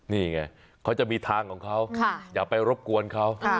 นี่ไงเขาจะมีทางของเขาอย่าไปรบกวนเขา